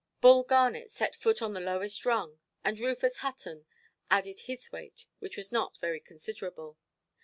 Bull Garnet set foot on the lowest rung, and Rufus Hutton added his weight, which was not very considerable.